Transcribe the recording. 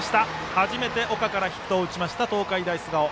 初めて岡からヒットを打ちました東海大菅生。